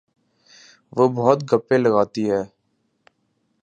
وہ بہت گپیں لگاتی ہے